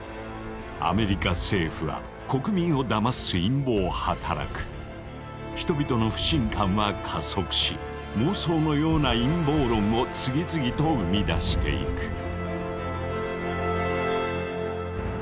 アメリカ政府は国民をだます陰謀を働く人々の不信感は加速し妄想のような陰謀論を次々と生み出していく。